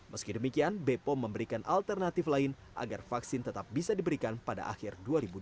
meski demikian bepom memberikan alternatif lain agar vaksin tetap bisa diberikan pada akhir dua ribu dua puluh